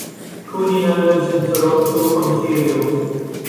Coady now lives in Toronto, Ontario.